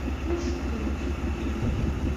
D acu-t umtiweg-nnek?